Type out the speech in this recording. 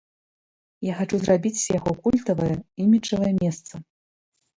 Я хачу зрабіць з яго культавае, іміджавае месца.